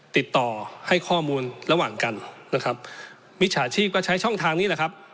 ติดต่อให้ข้อมูลระหว่างกันนะครับมิจฉาชีพก็ใช้ช่องทางนี้แหละครับ